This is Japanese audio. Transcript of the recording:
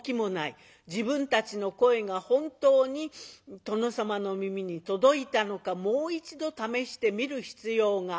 自分たちの声が本当に殿様の耳に届いたのかもう一度試してみる必要がある。